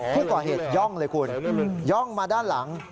ผู้ก่อเหตุย่องเลยคุณย่องมาด้านหลัง